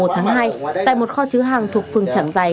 một tháng hai tại một kho chứa hàng thuộc phường trảng giày